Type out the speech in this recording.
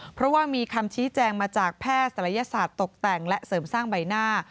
เพราะว่ามีคำชี้แจงมาจากแพทย์ศัลยศาสตร์ตกแต่งและเสริมสร้างใบหน้า